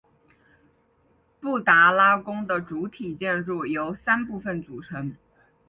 布达拉宫的主体建筑由三部分组成。